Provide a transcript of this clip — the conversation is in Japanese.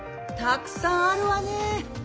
たくさんあるわねえ。